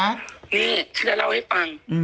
นี่ฉันจะเล่าให้ฟัง